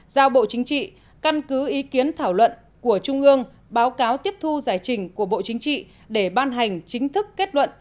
giao bộ chính trị căn cứ ý kiến thảo luận của trung ương báo cáo tiếp thu giải trình của bộ chính trị để ban hành chính thức kết luận